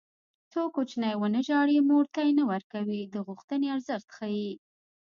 څو کوچنی ونه ژاړي مور تی نه ورکوي د غوښتنې ارزښت ښيي